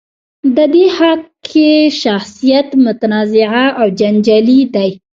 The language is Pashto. د دې خاکې شخصیت متنازعه او جنجالي دی.